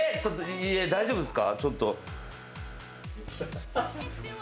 大丈夫ですか？